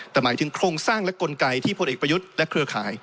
แต่หมายถึงโครงสร้างและกลไกที่พลเอกประยุทธ์และเครือข่าย